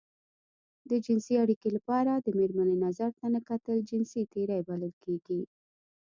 د جنسي اړيکې لپاره د مېرمنې نظر ته نه کتل جنسي تېری بلل کېږي.